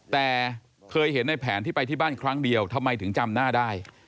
แต่เคยเห็นในแผนที่ไปที่บ้านครั้งเดียวทำไมถึงจำหน้าได้